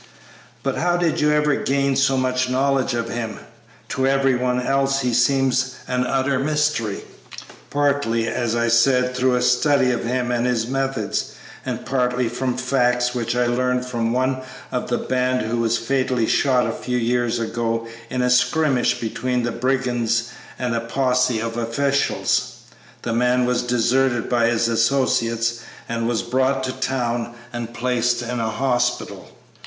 "But how did you ever gain so much knowledge of him? To every one else he seems an utter mystery." "Partly, as I said, through a study of him and his methods, and partly from facts which I learned from one of the band who was fatally shot a few years ago in a skirmish between the brigands and a posse of officials. The man was deserted by his associates and was brought to town and placed in a hospital.